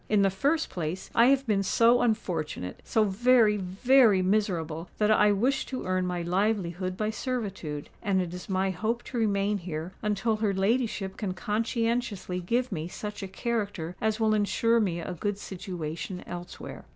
"In the first place, I have been so unfortunate—so very, very miserable, that I wish to earn my livelihood by servitude; and it is my hope to remain here until her ladyship can conscientiously give me such a character as will ensure me a good situation elsewhere."